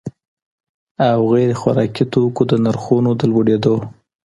او غیر خوراکي توکو د نرخونو د لوړېدو